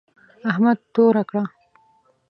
احمد توره کړه.